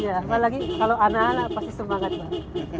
apalagi kalau anak anak pasti semangat mbak